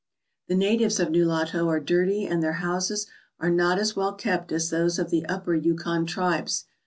The natives of Nulato are dirty and their houses are not as well kept as those of the Upper Yukon tribes.